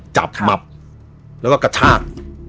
จับหมับแล้วก็กระชาก